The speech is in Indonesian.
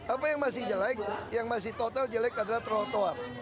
apa yang masih jelek yang masih total jelek adalah trotoar